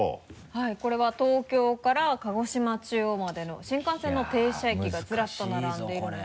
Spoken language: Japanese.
はいこれは東京から鹿児島中央までの新幹線の停車駅がずらっと並んでいるので。